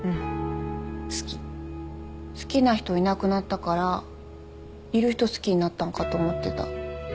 好きな人いなくなったからいる人好きになったのかと思ってた。